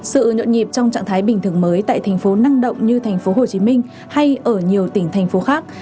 sự nhộn nhịp trong trạng thái bình thường mới tại thành phố năng động như tp hcm hay ở nhiều tỉnh thành phố khác